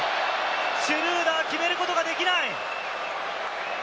シュルーダー、決めることができない！